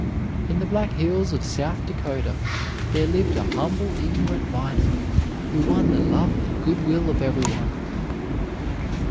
In the Black Hills of South Dakota there lived a humble, ignorant miner, who won the love and good will of everyone.